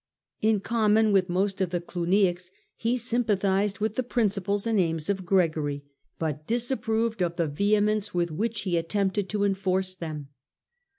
In common with most of the Clugniacs he sympathised with the principles and aims of Gregory, but disapproved of the vehemence with which he attempted to enforce them.